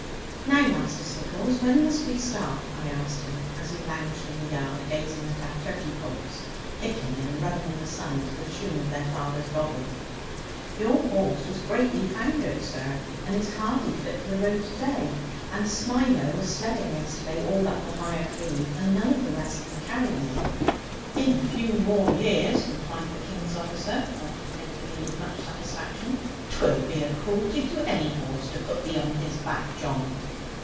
'Now, Master Stickles, when must we start?' I asked him, as he lounged in the yard gazing at our turkey poults picking and running in the sun to the tune of their father's gobble. 'Your horse was greatly foundered, sir, and is hardly fit for the road to day; and Smiler was sledding yesterday all up the higher Cleve; and none of the rest can carry me.' 'In a few more years,' replied the King's officer, contemplating me with much satisfaction; ''twill be a cruelty to any horse to put thee on his back, John.'